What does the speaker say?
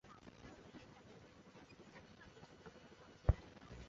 林福喜为中国清朝武官。